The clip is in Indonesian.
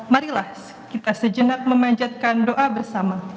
marilah kita sejenak memanjatkan doa bersama